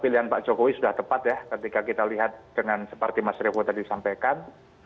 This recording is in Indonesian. dan pak jokowi sudah tepat ya ketika kita lihat dengan seperti mas revo tadi sampaikan